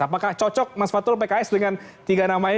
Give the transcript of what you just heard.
apakah cocok mas fatul pks dengan tiga nama ini